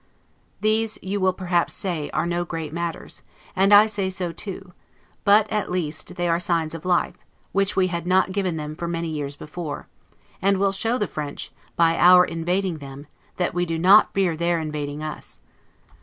These, you will perhaps say, are no great matters, and I say so too; but, at least, they are signs of life, which we had not given them for many years before; and will show the French, by our invading them, that we do not fear their invading us.